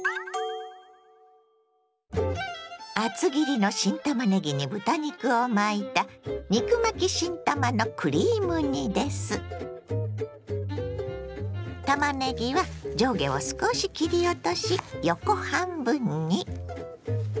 厚切りの新たまねぎに豚肉を巻いたたまねぎは上下を少し切り落とし横半分に。